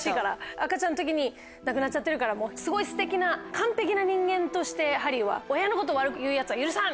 赤ちゃんの時に亡くなっちゃってるからすごいステキな完璧な人間としてハリーは親のこと悪く言うヤツは許さん！